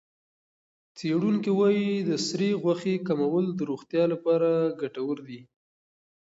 څېړونکي وايي د سرې غوښې کمول د روغتیا لپاره ګټور دي.